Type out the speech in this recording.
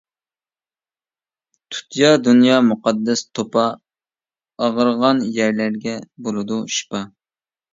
تۇتىيا دۇنيا مۇقەددەس توپا، ئاغرىغان يەرلەرگە بولىدۇ شىپا.